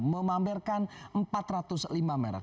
memamerkan empat ratus lima merek